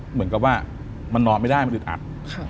เหมือนกับว่ามันนอนไม่ได้มันอึดอัด